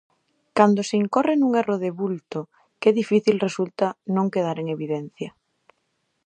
Cando se incorre nun erro de vulto, que difícil resulta non quedar en evidencia.